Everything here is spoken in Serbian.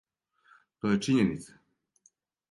То је чињеница.